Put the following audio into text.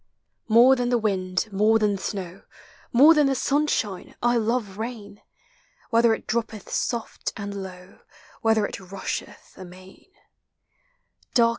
More than the wind, more than the snow, More than the sunshine, I love rain: Whether it droppeth soft and low, Whether it rusheth amain.